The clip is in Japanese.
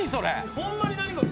ホンマに何か。